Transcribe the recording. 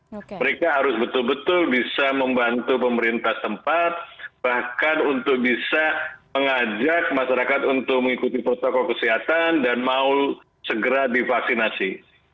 jadi masyarakat harus betul betul bisa membantu pemerintah tempat bahkan untuk bisa mengajak masyarakat untuk mengikuti protokol kesehatan dan mau segera divaksinasi